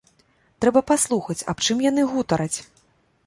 Трэба паслухаць, аб чым яны гутараць?